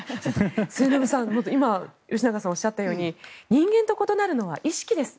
末延さん、今吉永さんがおっしゃったように人間と異なるのは意識です